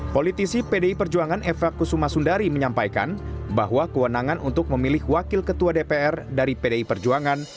politisi pdi perjuangan eva kusuma sundari menyampaikan bahwa kewenangan untuk memilih wakil ketua dpr dari pdi perjuangan